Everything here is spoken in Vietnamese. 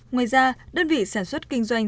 ngoài ra đơn vị sản xuất kinh doanh